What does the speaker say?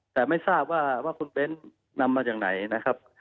แต่ไม่ทราบว่าคุณเบ้นนำมาจากไหนนะครับ